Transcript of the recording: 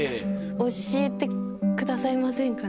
教えてくださいませんかね。